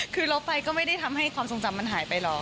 คือลบไปก็ไม่ได้ทำให้ความทรงจำมันหายไปหรอก